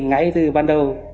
ngay từ ban đầu